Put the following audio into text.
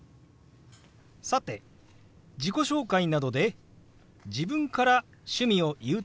さて自己紹介などで自分から趣味を言う時もありますよね。